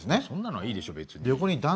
そんなのはいいでしょ別に。